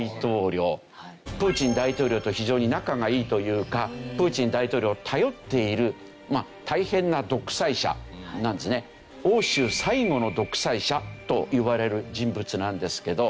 プーチン大統領と非常に仲がいいというかプーチン大統領を頼っている大変な独裁者なんですね。といわれる人物なんですけど。